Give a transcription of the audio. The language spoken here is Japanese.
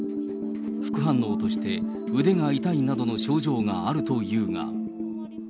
副反応として腕が痛いなどの症状があるというが。